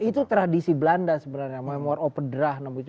itu tradisi belanda sebenarnya memoir opedrah namun